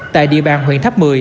tại địa bàn huyện tháp một mươi